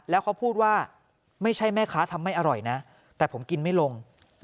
แล้วเขาพูดว่าไม่ใช่แม่ค้าทำไม่อร่อยนะแต่ผมกินไม่ลง